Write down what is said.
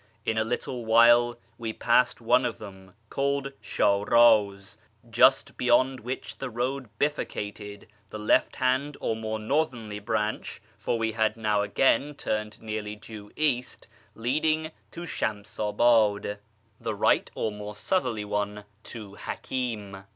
In a little while we passed one of them, called Sharaz, just beyond which the road bifurcated, the left hand or more northerly branch (for we had now again turned nearly due east) leading to Shamsabud ; FROM SHIRAz to YEZD 353 the right or more southerly one to Hakim.